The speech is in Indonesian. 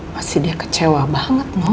pasti dia kecewa banget mau